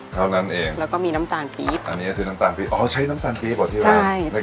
เท่านั้นเองแล้วก็มีน้ำตาลปี๊บอันนี้ก็คือน้ำตาลปี๊อ๋อใช้น้ำตาลปี๊บกว่าที่ร้าน